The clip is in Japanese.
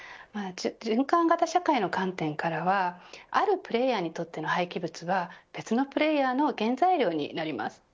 循環型社会の観点からはあるプレーヤーにとっての廃棄物は、別のプレーヤーの原材料になります。